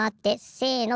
「せの！」